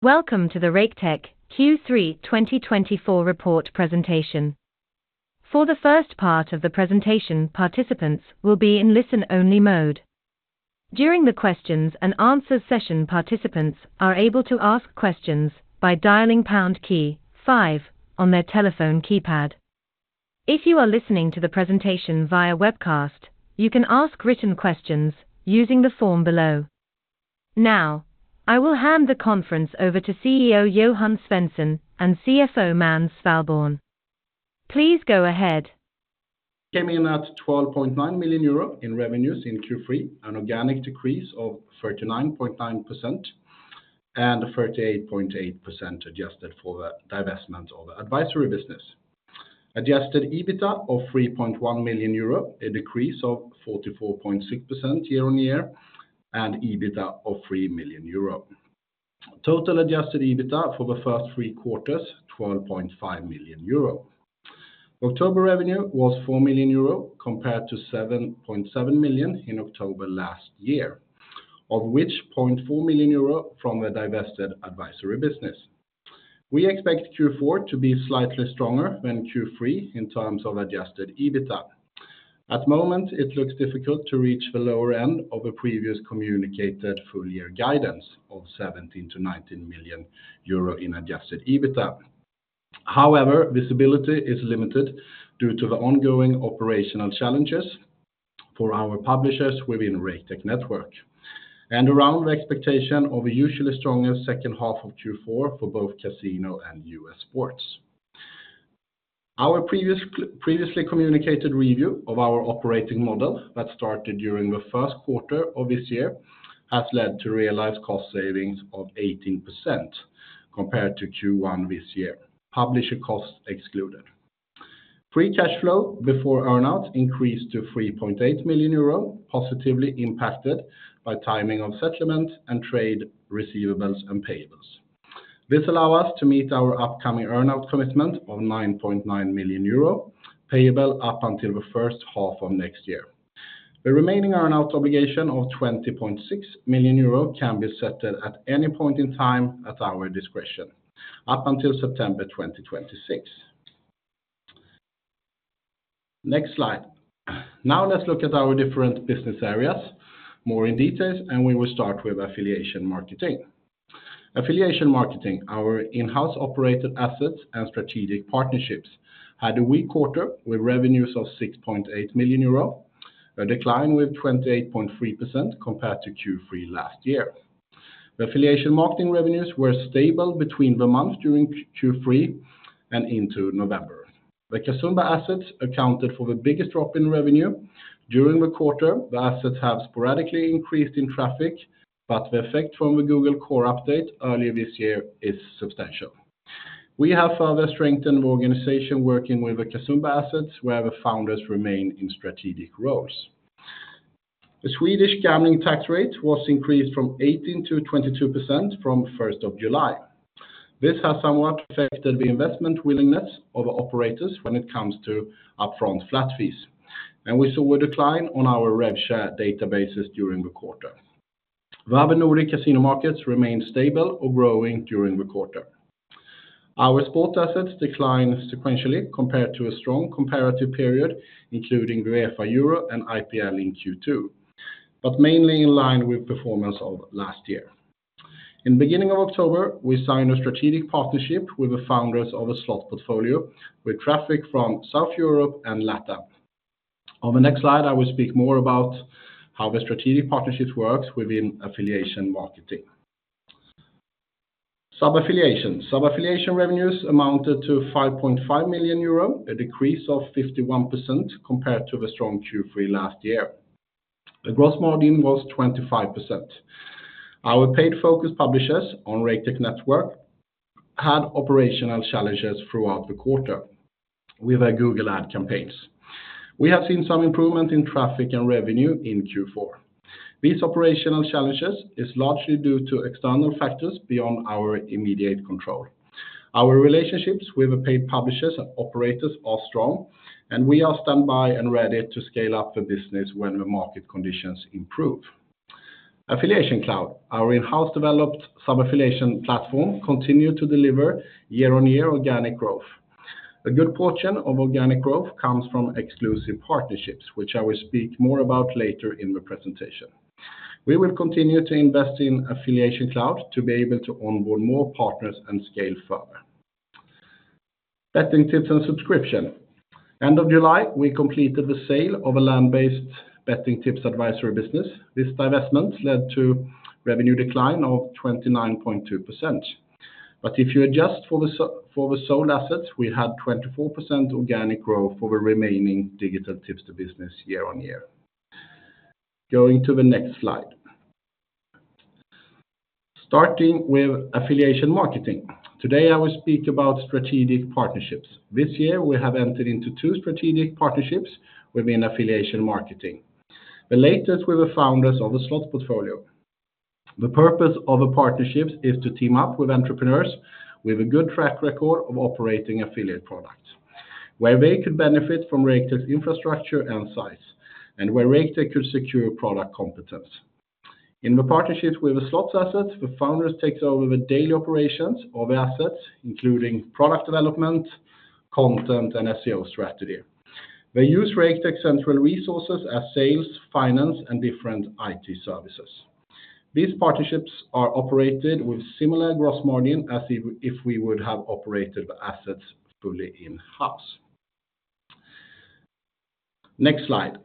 Welcome to the Raketech Q3 2024 report presentation. For the first part of the presentation, participants will be in listen-only mode. During the Q&A session, participants are able to ask questions by dialing pound key 5 on their telephone keypad. If you are listening to the presentation via webcast, you can ask written questions using the form below. Now, I will hand the conference over to CEO Johan Svensson and CFO Måns Svalborn. Please go ahead. Came in at 12.9 million euro in revenues in Q3, an organic decrease of 39.9% and 38.8% adjusted for the divestment of advisory business. Adjusted EBITDA of 3.1 million euro, a decrease of 44.6% year-on-year, and EBITDA of 3 million euro. Total adjusted EBITDA for the first three quarters: 12.5 million euro. October revenue was 4 million euro, compared to 7.7 million in October last year, of which 0.4 million euro from the divested advisory business. We expect Q4 to be slightly stronger than Q3 in terms of adjusted EBITDA. At the moment, it looks difficult to reach the lower end of the previous communicated full-year guidance of 17-19 million euro in adjusted EBITDA. However, visibility is limited due to the ongoing operational challenges for our publishers within Raketech Network and around the expectation of a usually stronger second half of Q4 for both casino and U.S. sports. Our previously communicated review of our operating model that started during the first quarter of this year has led to realized cost savings of 18% compared to Q1 this year, publisher costs excluded. Free cash flow before earnouts increased to 3.8 million euro, positively impacted by timing of settlement and trade receivables and payables. This allows us to meet our upcoming earnout commitment of 9.9 million euro payable up until the first half of next year. The remaining earnout obligation of 20.6 million euro can be settled at any point in time at our discretion up until September 2026. Next slide. Now let's look at our different business areas more in detail, and we will start with affiliation marketing. Affiliation marketing, our in-house operated assets and strategic partnerships, had a weak quarter with revenues of 6.8 million euro, a decline of 28.3% compared to Q3 last year. The affiliation marketing revenues were stable between the months during Q3 and into November. The Casumba assets accounted for the biggest drop in revenue during the quarter. The assets have sporadically increased in traffic, but the effect from the Google Core update earlier this year is substantial. We have further strengthened the organization working with the Casumba assets, where the founders remain in strategic roles. The Swedish gambling tax rate was increased from 18% to 22% from 1 July. This has somewhat affected the investment willingness of operators when it comes to upfront flat fees, and we saw a decline on our rev share databases during the quarter. Nordic casino markets remained stable or growing during the quarter. Our sports assets declined sequentially compared to a strong comparative period, including UEFA Euro and IPL in Q2, but mainly in line with performance of last year. In the beginning of October, we signed a strategic partnership with the founders of a slot portfolio with traffic from South Europe and LatAm. On the next slide, I will speak more about how the strategic partnership works within affiliation marketing. Sub-affiliation revenues amounted to 5.5 million euro, a decrease of 51% compared to the strong Q3 last year. The gross margin was 25%. Our paid-focused publishers on Raketech Network had operational challenges throughout the quarter with our Google ad campaigns. We have seen some improvement in traffic and revenue in Q4. These operational challenges are largely due to external factors beyond our immediate control. Our relationships with the paid publishers and operators are strong, and we are standby and ready to scale up the business when the market conditions improve. Affiliation Cloud, our in-house developed sub-affiliation platform, continued to deliver year-on-year organic growth. A good portion of organic growth comes from exclusive partnerships, which I will speak more about later in the presentation. We will continue to invest in Affiliation Cloud to be able to onboard more partners and scale further. Betting tips and subscription. End of July, we completed the sale of a land-based betting tips advisory business. This divestment led to a revenue decline of 29.2%. But if you adjust for the sold assets, we had 24% organic growth for the remaining digital tips to business year-on-year. Going to the next slide. Starting with affiliation marketing. Today, I will speak about strategic partnerships. This year, we have entered into two strategic partnerships within affiliation marketing, the latest with the founders of a slot portfolio. The purpose of the partnerships is to team up with entrepreneurs with a good track record of operating affiliate products, where they could benefit from Raketech's infrastructure and size, and where Raketech could secure product competence. In the partnerships with the slots assets, the founders take over the daily operations of the assets, including product development, content, and SEO strategy. They use Raketech's central resources as sales, finance, and different IT services. These partnerships are operated with similar gross margin as if we would have operated the assets fully in-house. Next slide.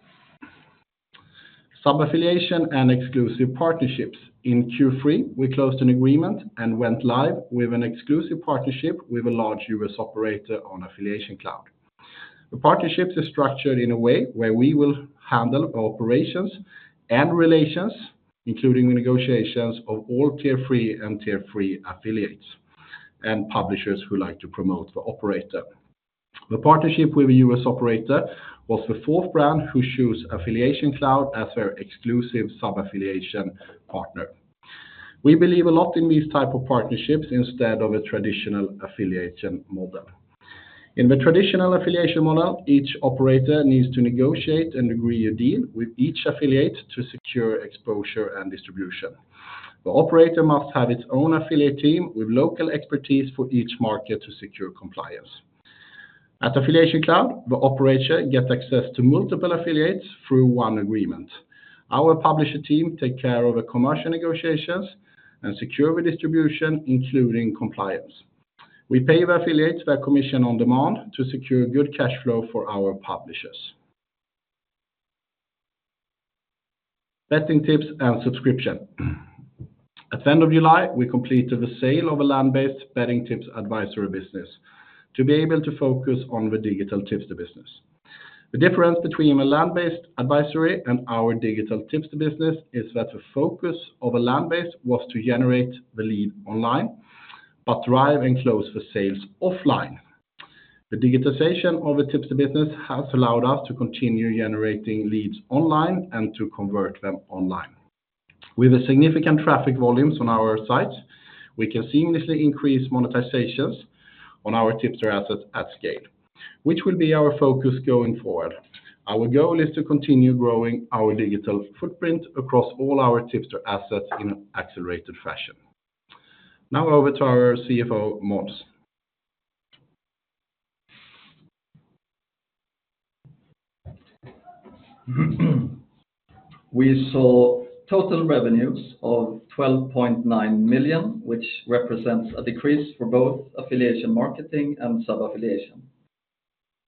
Sub-affiliation and exclusive partnerships. In Q3, we closed an agreement and went live with an exclusive partnership with a large U.S. operator on Affiliation Cloud. The partnerships are structured in a way where we will handle operations and relations, including the negotiations of all Tier 3 and Tier 3 affiliates and publishers who like to promote the operator. The partnership with a U.S. operator was the fourth brand who chose Affiliation Cloud as their exclusive sub-affiliation partner. We believe a lot in these types of partnerships instead of a traditional affiliation model. In the traditional affiliation model, each operator needs to negotiate and agree a deal with each affiliate to secure exposure and distribution. The operator must have its own affiliate team with local expertise for each market to secure compliance. At Affiliation Cloud, the operator gets access to multiple affiliates through one agreement. Our publisher team takes care of the commercial negotiations and secures the distribution, including compliance. We pay the affiliates their commission on demand to secure good cash flow for our publishers. Betting tips and subscription. At the end of July, we completed the sale of a land-based betting tips advisory business to be able to focus on the digital tipster business. The difference between a land-based advisory and our digital tipster business is that the focus of a land-based was to generate the lead online but drive and close the sales offline. The digitization of the tipster business has allowed us to continue generating leads online and to convert them online. With the significant traffic volumes on our sites, we can seamlessly increase monetizations on our tipster assets at scale, which will be our focus going forward. Our goal is to continue growing our digital footprint across all our tipster assets in an accelerated fashion. Now over to our CFO, Måns. We saw total revenues of 12.9 million, which represents a decrease for both affiliation marketing and sub-affiliation.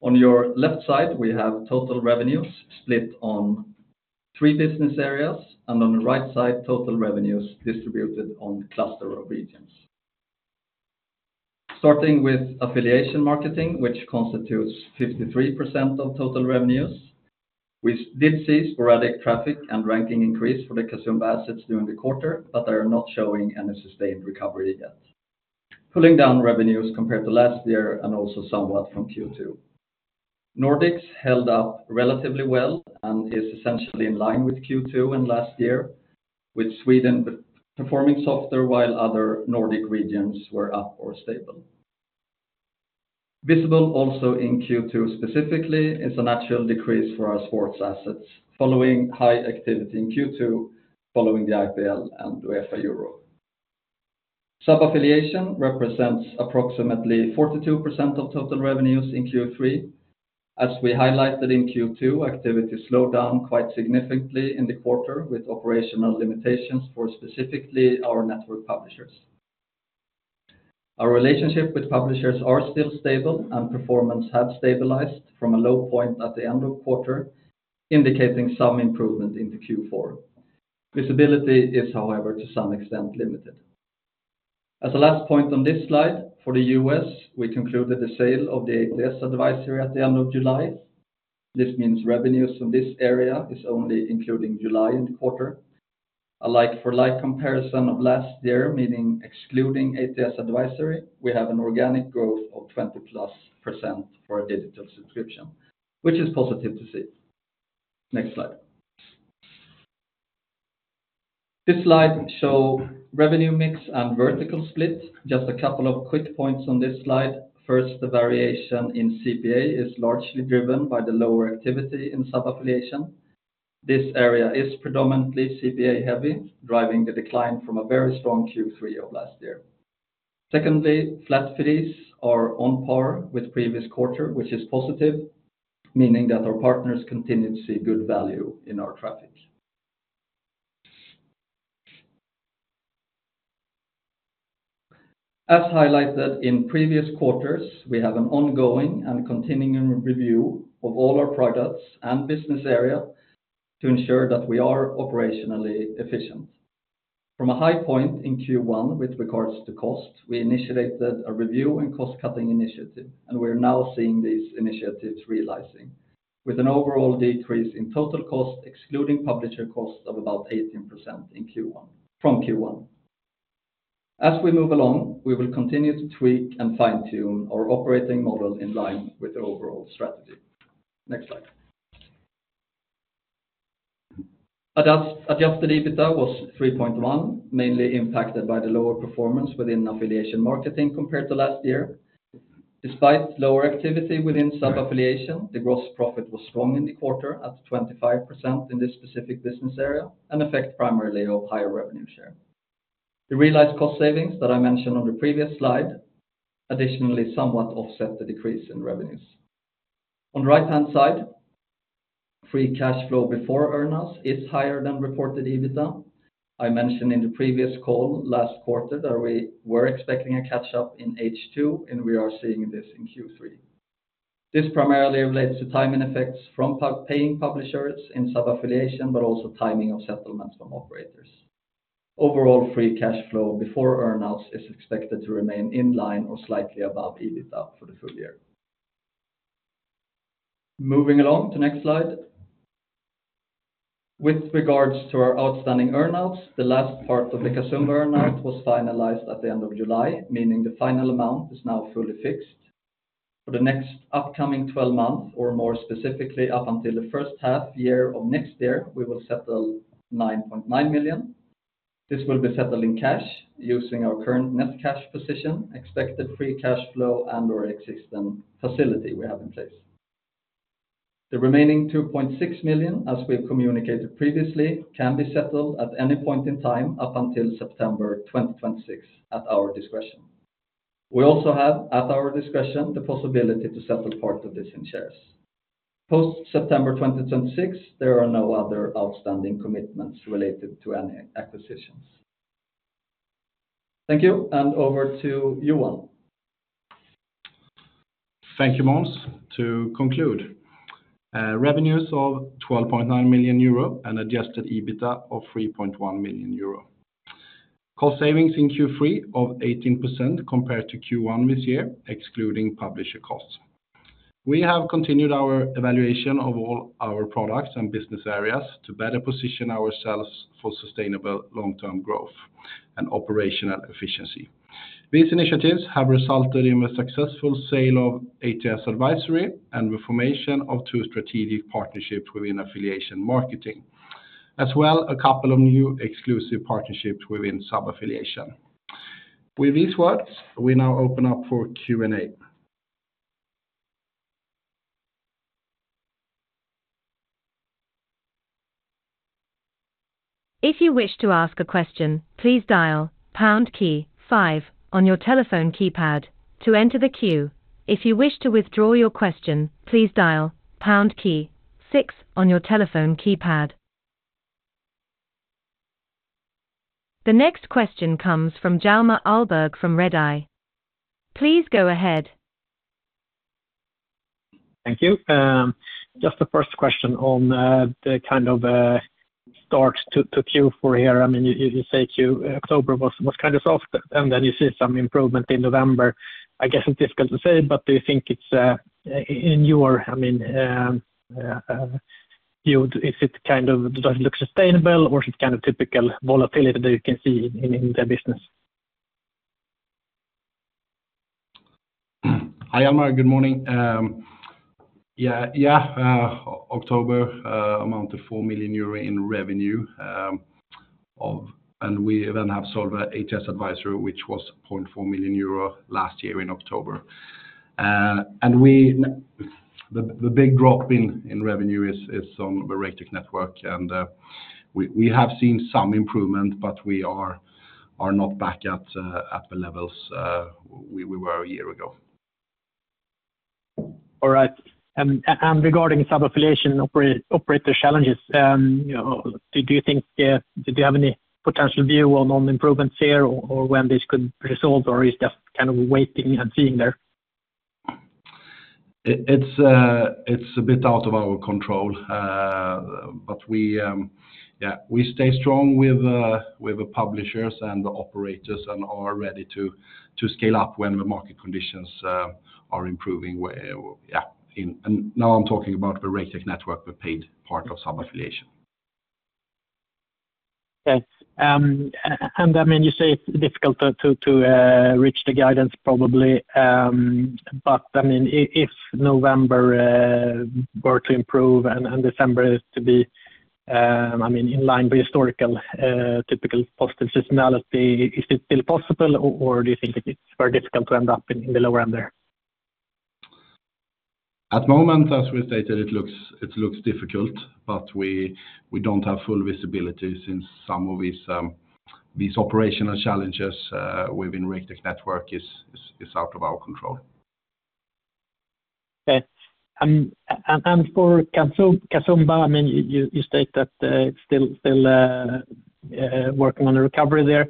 On your left side, we have total revenues split on three business areas, and on the right side, total revenues distributed on cluster regions. Starting with affiliation marketing, which constitutes 53% of total revenues, we did see sporadic traffic and ranking increase for the Casumba assets during the quarter, but they are not showing any sustained recovery yet, pulling down revenues compared to last year and also somewhat from Q2. Nordics held up relatively well and are essentially in line with Q2 and last year, with Sweden performing softer while other Nordic regions were up or stable. Visible also in Q2 specifically is a natural decrease for our sports assets following high activity in Q2 following the IPL and UEFA Euro. Sub-affiliation represents approximately 42% of total revenues in Q3, as we highlighted in Q2. Activity slowed down quite significantly in the quarter with operational limitations for specifically our network publishers. Our relationship with publishers is still stable, and performance has stabilized from a low point at the end of the quarter, indicating some improvement in Q4. Visibility is, however, to some extent limited. As a last point on this slide, for the U.S., we concluded the sale of the ATS advisory at the end of July. This means revenues from this area are only including July in the quarter. A like-for-like comparison of last year, meaning excluding ATS advisory, we have an organic growth of 20% plus for a digital subscription, which is positive to see. Next slide. This slide shows revenue mix and vertical split. Just a couple of quick points on this slide. First, the variation in CPA is largely driven by the lower activity in sub-affiliation. This area is predominantly CPA-heavy, driving the decline from a very strong Q3 of last year. Secondly, flat fees are on par with the previous quarter, which is positive, meaning that our partners continue to see good value in our traffic. As highlighted in previous quarters, we have an ongoing and continuing review of all our products and business area to ensure that we are operationally efficient. From a high point in Q1 with regards to cost, we initiated a review and cost-cutting initiative, and we are now seeing these initiatives realizing, with an overall decrease in total cost excluding publisher cost of about 18% from Q1. As we move along, we will continue to tweak and fine-tune our operating model in line with the overall strategy. Next slide. Adjusted EBITDA was 3.1, mainly impacted by the lower performance within affiliation marketing compared to last year. Despite lower activity within sub-affiliation, the gross profit was strong in the quarter at 25% in this specific business area and affected primarily our higher revenue share. The realized cost savings that I mentioned on the previous slide additionally somewhat offset the decrease in revenues. On the right-hand side, free cash flow before earnouts is higher than reported EBITDA. I mentioned in the previous call last quarter that we were expecting a catch-up in H2, and we are seeing this in Q3. This primarily relates to timing effects from paying publishers in sub-affiliation, but also timing of settlements from operators. Overall, free cash flow before earnouts is expected to remain in line or slightly above EBITDA for the full year. Moving along to the next slide. With regards to our outstanding earnouts, the last part of the Casumba earnout was finalized at the end of July, meaning the final amount is now fully fixed. For the next upcoming 12 months, or more specifically up until the first half year of next year, we will settle 9.9 million. This will be settled in cash using our current net cash position, expected free cash flow, and our existing facility we have in place. The remaining 2.6 million, as we have communicated previously, can be settled at any point in time up until September 2026 at our discretion. We also have, at our discretion, the possibility to settle part of this in shares. Post-September 2026, there are no other outstanding commitments related to any acquisitions. Thank you, and over to Johan. Thank you, Måns. To conclude, revenues of 12.9 million euro and Adjusted EBITDA of 3.1 million euro. Cost savings in Q3 of 18% compared to Q1 this year, excluding publisher costs. We have continued our evaluation of all our products and business areas to better position ourselves for sustainable long-term growth and operational efficiency. These initiatives have resulted in a successful sale of ATS advisory and the formation of two strategic partnerships within affiliation marketing, as well as a couple of new exclusive partnerships within sub-affiliation. With these words, we now open up for Q&A. If you wish to ask a question, please dial #5 on your telephone keypad to enter the queue. If you wish to withdraw your question, please dial #6 on your telephone keypad. The next question comes from Hjalmar Ahlberg from Redeye. Please go ahead. Thank you. Just the first question on the kind of start to Q4 here. I mean, you say October was kind of soft, and then you see some improvement in November. I guess it's difficult to say, but do you think it's in your view, is it kind of does it look sustainable, or is it kind of typical volatility that you can see in the business? Hi, Hjalmar. Good morning. Yeah, yeah, October amounted to 4 million euro in revenue, and we then have sold the ATS advisory, which was 0.4 million euro last year in October. And the big drop in revenue is on the Raketech network, and we have seen some improvement, but we are not back at the levels we were a year ago. All right. And regarding sub-affiliation operator challenges, do you think, do you have any potential view on improvements here or when this could resolve, or is that kind of waiting and seeing there? It's a bit out of our control, but we stay strong with the publishers and the operators and are ready to scale up when the market conditions are improving. Yeah, and now I'm talking about the Raketech Network, the paid part of sub-affiliation. Yes. And I mean, you say it's difficult to reach the guidance probably, but I mean, if November were to improve and December is to be, I mean, in line with historical typical post-existing reality, is it still possible, or do you think it's very difficult to end up in the lower end there? At the moment, as we stated, it looks difficult, but we don't have full visibility since some of these operational challenges within Raketech Network is out of our control. Okay. And for Casumba, I mean, you state that it's still working on the recovery there,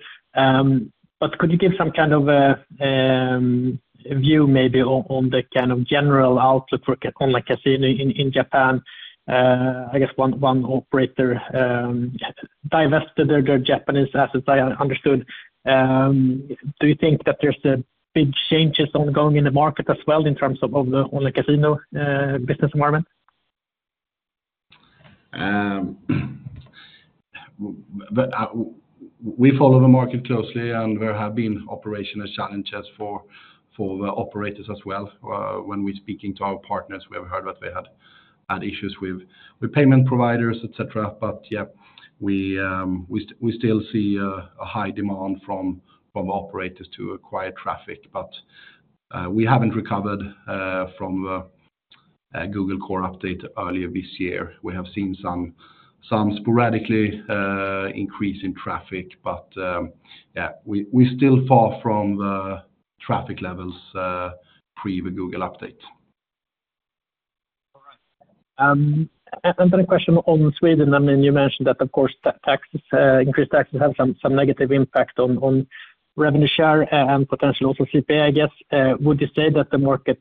but could you give some kind of view maybe on the kind of general outlook for online casino in Japan? I guess one operator divested their Japanese assets, I understood. Do you think that there's a big change that's ongoing in the market as well in terms of the online casino business environment? We follow the market closely, and there have been operational challenges for the operators as well. When we're speaking to our partners, we have heard that they had issues with payment providers, etc., but yeah, we still see a high demand from operators to acquire traffic, but we haven't recovered from the Google Core update earlier this year. We have seen some sporadically increasing traffic, but yeah, we're still far from the traffic levels pre the Google update. All right. Then a question on Sweden. I mean, you mentioned that, of course, increased taxes have some negative impact on revenue share and potentially also CPA, I guess. Would you say that the market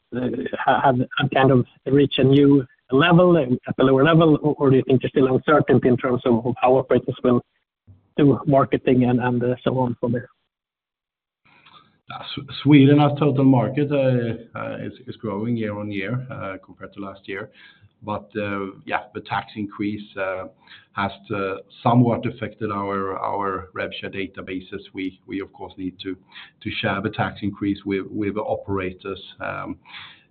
has kind of reached a new level, a lower level, or do you think there's still uncertainty in terms of how operators will do marketing and so on for this? Sweden as a total market is growing year on year compared to last year, but yeah, the tax increase has somewhat affected our rev share deals. We, of course, need to share the tax increase with the operators.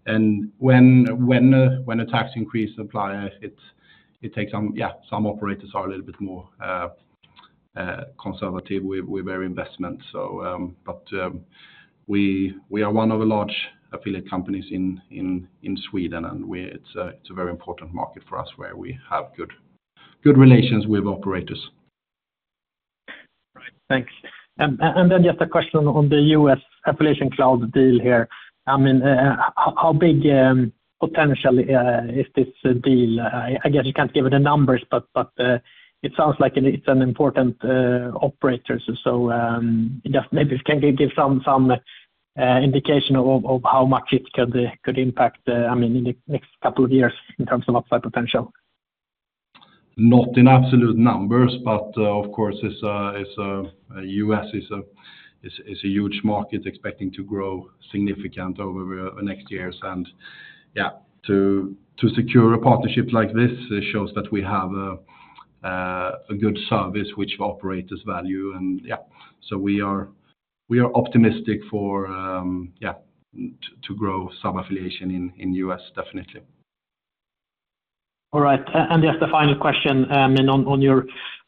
And when a tax increase applies, it makes some operators who are a little bit more conservative with their investments. But we are one of the large affiliate companies in Sweden, and it's a very important market for us where we have good relations with operators. Right. Thanks. And then just a question on the U.S. Affiliation Cloud deal here. I mean, how big potentially is this deal? I guess you can't give the numbers, but it sounds like it's an important operator. So just maybe you can give some indication of how much it could impact, I mean, in the next couple of years in terms of upside potential. Not in absolute numbers, but of course, the U.S. is a huge market expecting to grow significantly over the next years. And yeah, to secure a partnership like this, it shows that we have a good service which operators value. And yeah, so we are optimistic for, yeah, to grow sub-affiliation in the U.S., definitely. All right. And just a final question on your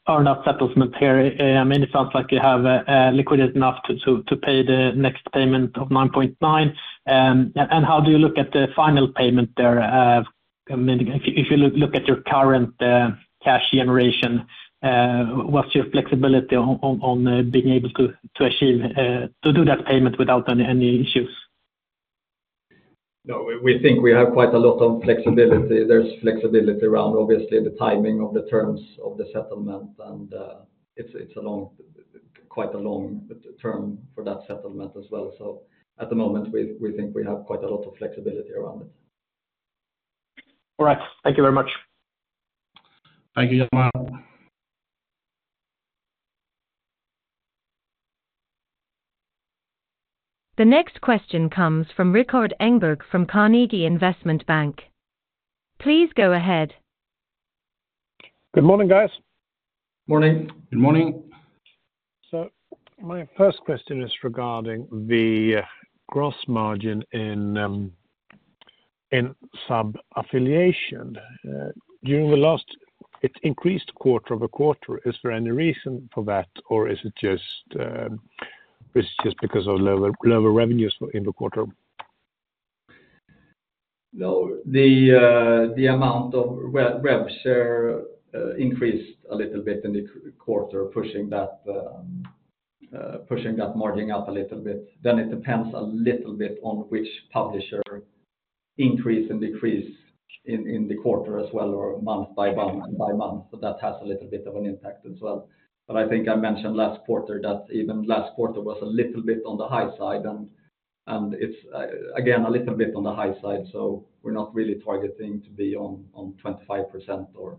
earnout settlement here. I mean, it sounds like you have liquidity enough to pay the next payment of 9.9. And how do you look at the final payment there? If you look at your current cash generation, what's your flexibility on being able to do that payment without any issues? No, we think we have quite a lot of flexibility. There's flexibility around, obviously, the timing of the terms of the settlement, and it's quite a long term for that settlement as well. So at the moment, we think we have quite a lot of flexibility around it. All right. Thank you very much. Thank you, Hjalmar. The next question comes from Rikard Engberg from Carnegie Investment Bank. Please go ahead. Good morning, guys. Morning. Good morning. So my first question is regarding the gross margin in sub-affiliation. During the last quarter, increased quarter-over-quarter, is there any reason for that, or is it just because of lower revenues in the quarter? No, the amount of rev share increased a little bit in the quarter, pushing that margin up a little bit. Then it depends a little bit on which publisher increase and decrease in the quarter as well, or month by month. So that has a little bit of an impact as well. But I think I mentioned last quarter that even last quarter was a little bit on the high side, and it's again a little bit on the high side. So we're not really targeting to be on 25%, or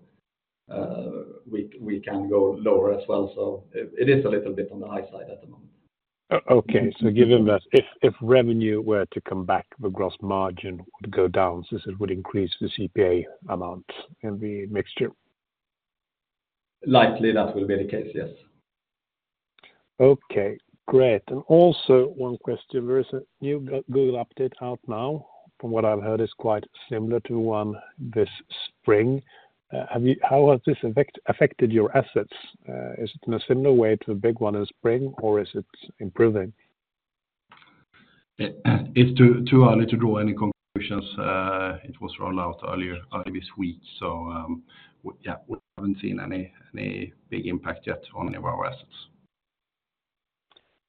we can go lower as well. So it is a little bit on the high side at the moment. Okay. So given that if revenue were to come back, the gross margin would go down since it would increase the CPA amount in the mixture. Likely that will be the case, yes. Okay. Great. And also one question. There is a new Google update out now. From what I've heard, it's quite similar to one this spring. How has this affected your assets? Is it in a similar way to the big one in spring, or is it improving? It's too early to draw any conclusions. It was rolled out earlier this week. So yeah, we haven't seen any big impact yet on any of our assets.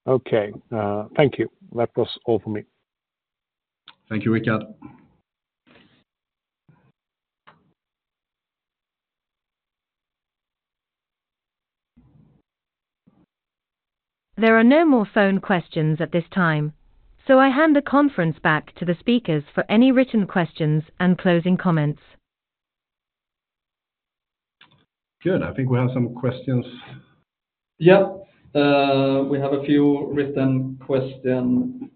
Okay. Thank you. That was all for me. Thank you, Rikard. There are no more phone questions at this time, so I hand the conference back to the speakers for any written questions and closing comments. Good. I think we have some questions. Yeah. We have a few written questions.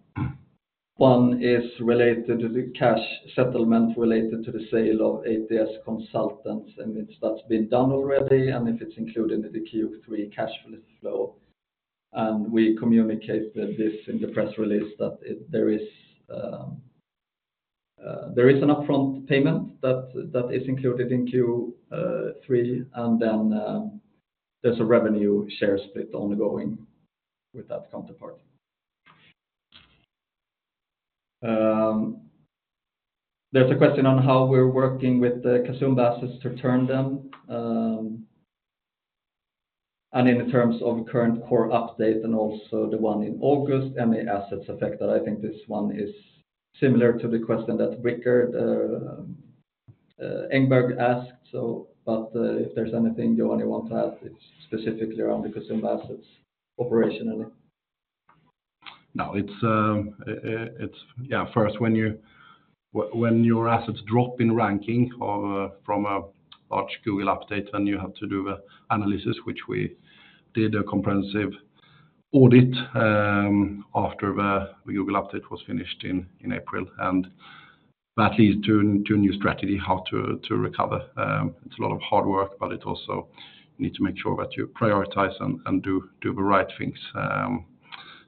One is related to the cash settlement related to the sale of ATS Consultants, and that's been done already, and if it's included in the Q3 cash flow. We communicated this in the press release that there is an upfront payment that is included in Q3, and then there's a revenue share split ongoing with that counterpart. There's a question on how we're working with the Casumba assets to turn them. In terms of Google Core update and also the one in August, any assets affected? I think this one is similar to the question that Rikard Engberg asked. But if there's anything you only want to add specifically around the Casumba assets operationally. No, it's yeah, first, when your assets drop in ranking from a large Google update, then you have to do the analysis, which we did a comprehensive audit after the Google update was finished in April, and that leads to a new strategy how to recover. It's a lot of hard work, but it also needs to make sure that you prioritize and do the right things.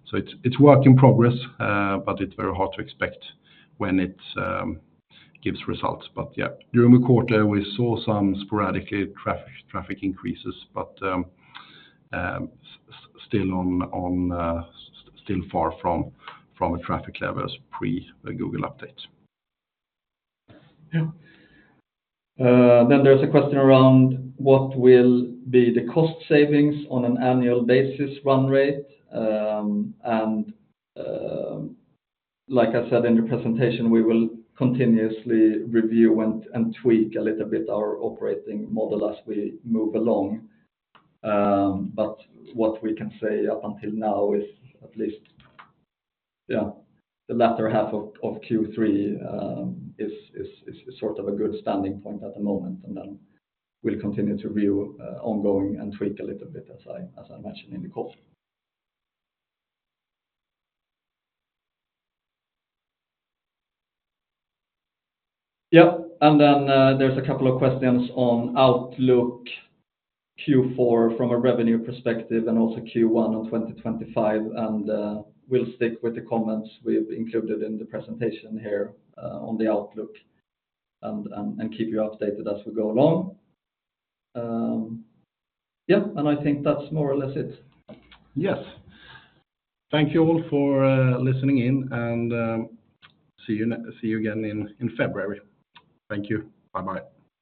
So it's a work in progress, but it's very hard to expect when it gives results. But yeah, during the quarter, we saw some sporadic traffic increases, but still far from the traffic levels pre the Google update. Yeah. Then there's a question around what will be the cost savings on an annual basis run rate. And like I said in the presentation, we will continuously review and tweak a little bit our operating model as we move along. But what we can say up until now is at least, yeah, the latter half of Q3 is sort of a good standing point at the moment, and then we'll continue to review ongoing and tweak a little bit, as I mentioned in the call. Yeah. And then there's a couple of questions on Outlook Q4 from a revenue perspective and also Q1 of 2025. And we'll stick with the comments we've included in the presentation here on the Outlook and keep you updated as we go along. Yeah. And I think that's more or less it. Yes. Thank you all for listening in, and see you again in February. Thank you. Bye-bye.